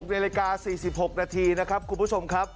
นาฬิกา๔๖นาทีนะครับคุณผู้ชมครับ